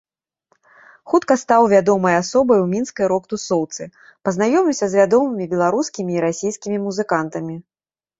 Хутка стаў вядомай асобай у мінскай рок-тусоўцы, пазнаёміўся з вядомымі беларускімі і расійскімі музыкантамі.